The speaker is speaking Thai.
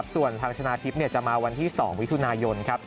ส่วนทางชนะทิพย์จะมาวันที่๒มิถุนายนครับ